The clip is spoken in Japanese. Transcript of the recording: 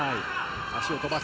足を飛ばす。